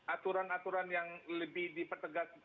aturan aturan yang lebih dipertegas